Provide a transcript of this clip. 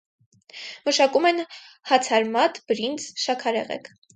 Մշակում են հացարմատ, բրինձ, շաքարեղեգ։